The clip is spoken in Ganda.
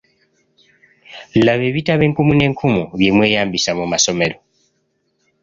Laba ebitabo enkumu n'enkumu bye mweyambisa mu masomero.